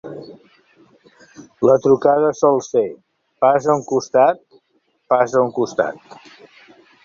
La trucada sol ser: "Pas a un costat, pas a un costat".